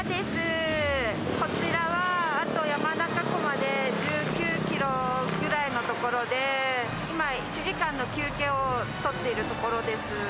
こちらはあと山中湖まで１９キロぐらいの所で、今、１時間の休憩を取っているところです。